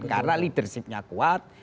karena leadership nya kuat